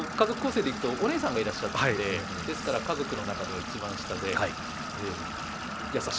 家族構成でいくとお姉さんがいらっしゃって家族の中ではいちばん下で。